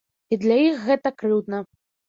І для іх гэта крыўдна.